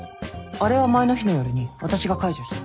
あれは前の日の夜に私が解除した。